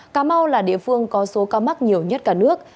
cà mau là địa phương có số ca mắc nhiều nhất cả nước